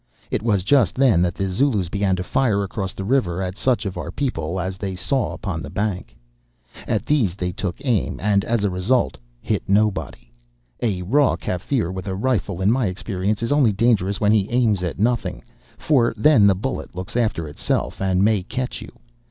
"It was just then that the Zulus began to fire across the river at such of our people as they saw upon the bank. At these they took aim, and, as a result, hit nobody. A raw Kaffir with a rifle, in my experience, is only dangerous when he aims at nothing, for then the bullet looks after itself and may catch you.